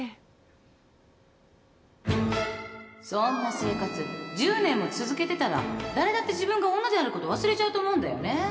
そんな生活１０年も続けてたら誰だって自分が女であること忘れちゃうと思うんだよね